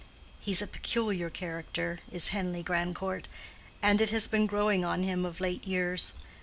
He's a peculiar character, is Henleigh Grandcourt, and it has been growing on him of late years.